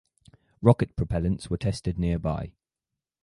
Rocket propellants were tested nearby.